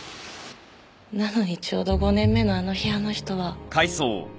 なのにちょうど５年目のあの日あの人は。